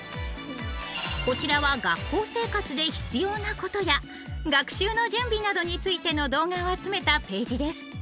こちらは学校生活で必要なことや学習の準備などについての動画を集めたページです。